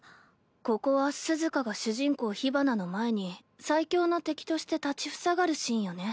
ここはスズカが主人公ヒバナの前に最強の敵として立ち塞がるシーンよね。